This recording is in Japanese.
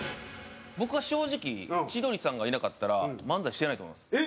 僕は正直千鳥さんがいなかったら漫才してないと思います。